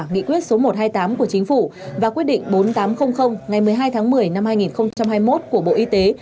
nghị quyết số một trăm hai mươi tám của chính phủ và quyết định bốn nghìn tám trăm linh ngày một mươi hai tháng một mươi năm hai nghìn hai mươi một của bộ y tế